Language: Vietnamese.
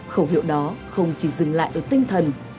khẩu hiệu đó không chỉ dừng lại ở tinh thần